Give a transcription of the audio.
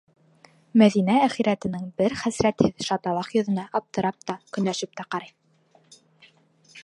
Мәҙинә әхирәтенең бер хәсрәтһеҙ, шаталаҡ йөҙөнә аптырап та, көнләшеп тә ҡарай.